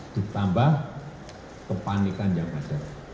ditambah kepanikan yang ada